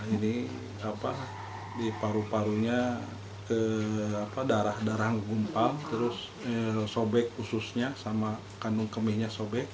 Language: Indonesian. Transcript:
ini di paru parunya darah darah gumpang terus sobek khususnya sama kandung kemihnya sobek